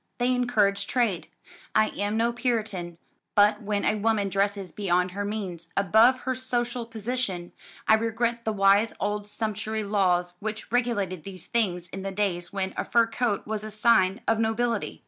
They encourage trade. I am no Puritan. But when a woman dresses beyond her means above her social position I regret the wise old sumptuary laws which regulated these things in the days when a fur coat was a sign of nobility.